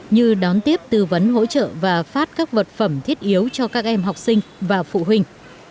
như đón tiếp tư vấn hỗ trợ và phát các vật phẩm thiết yếu cho các em học sinh và phụ huynh